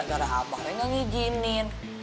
itu mah gara gara abah yang nggak ngijinin